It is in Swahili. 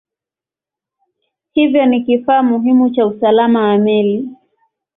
Hivyo ni kifaa muhimu cha usalama wa meli.